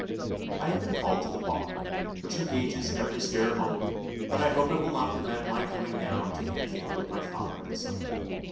I have been called to the bar, which engages every spare moment; but I hope it will not prevent my coming down to Anfield with my father in the summer.